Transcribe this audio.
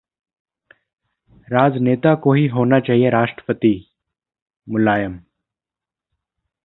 राजनेता को ही होना चाहिए राष्ट्रपति: मुलायम